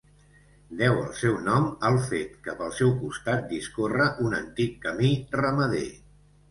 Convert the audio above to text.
Deu el seu nom al fet que pel seu costat discorre un antic camí ramader.